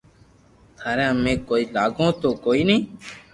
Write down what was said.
ٿاري امي ڪوئي لاگو تو ڪوئي ني